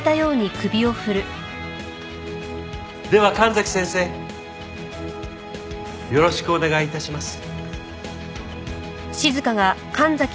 では神崎先生よろしくお願い致します。